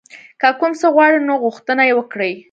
که کوم څه غواړئ نو غوښتنه یې وکړئ.